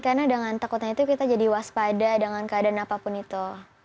karena dengan takutnya itu kita jadi waspada dengan keadaan apapun itu